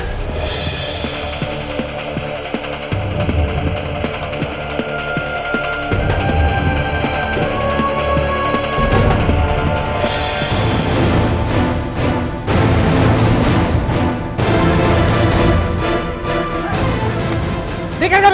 ibu undang lakukan